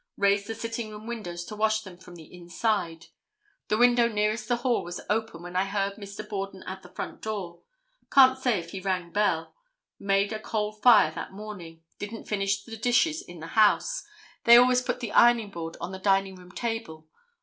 Raised the sitting room windows to wash them from the inside. The window nearest the hall was open when I heard Mr. Borden at the front door. Can't say if the bell rang. Made a coal fire that morning. Didn't finish the dishes in the house. They always put the ironing board on the dining room table.